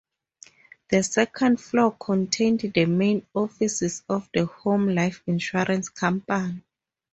The second floor contained the main offices of the Home Life Insurance Company.